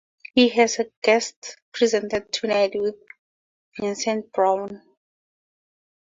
She has guest presented "Tonight with Vincent Browne".